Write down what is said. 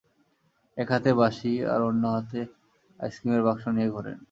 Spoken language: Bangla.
এক হাতে বাঁশি আর অন্য হাতে আইসক্রিমের বাক্স নিয়ে ঘোরেন।